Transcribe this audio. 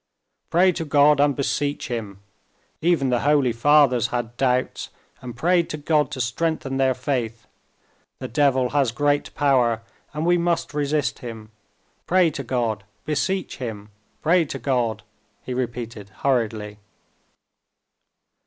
"Pray to God and beseech Him. Even the holy fathers had doubts, and prayed to God to strengthen their faith. The devil has great power, and we must resist him. Pray to God, beseech Him. Pray to God," he repeated hurriedly.